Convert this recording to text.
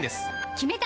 決めた！